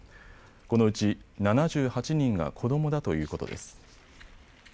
このうち７８人が子どもだということです。